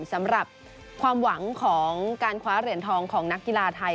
สำหรับความหวังของการคว้าเหรียญทองของนักกีฬาไทย